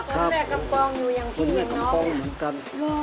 กำปองอยู่อย่างพี่อย่างน้อง